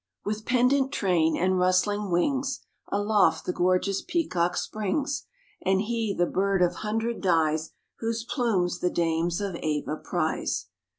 With pendant train and rustling wings, Aloft the gorgeous peacock springs; And he, the bird of hundred dyes, Whose plumes the dames of Ava prize.